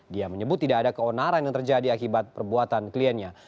dia menyebut tidak ada keonaran yang terjadi akibat perbuatan kliennya